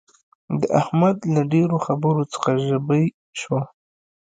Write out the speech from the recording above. د احمد له ډېرو خبرو څخه ژبۍ شوه.